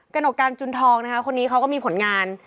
หนกการจุนทองนะคะคนนี้เขาก็มีผลงาน